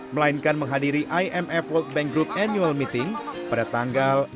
melainkan menghadiri imf world bank group annual meeting pada tanggal dua puluh